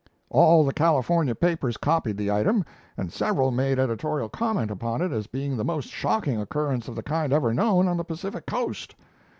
All the California papers copied the item, and several made editorial comment upon it as being the most shocking occurrence of the kind ever known on the Pacific Coast.